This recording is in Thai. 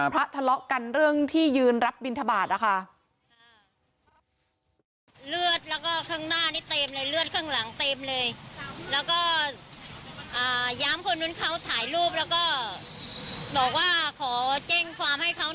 ทะเลาะกันเรื่องที่ยืนรับบินทบาทนะคะ